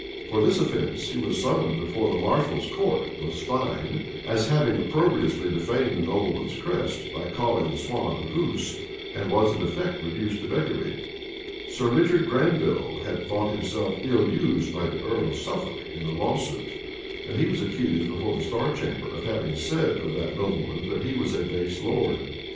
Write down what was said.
For this offence, he was summoned before the marshal's court; was fined, as having opprobriously defamed the nobleman's crest, by calling the swan a goose; and was in effect reduced to beggary. Sir Richard Granville had thought himself ill used by the earl of Suffolk in a lawsuit; and he was accused before the star chamber of having said of that nobleman, that he was a base lord.